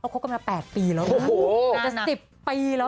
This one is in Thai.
ก็คบกันมา๘ปีแล้วครับประมาณ๑๐ปีแล้ว